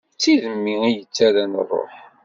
D tidmi i d-yettarran rruḥ.